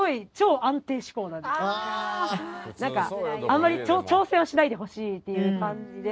あんまり挑戦はしないでほしいっていう感じで。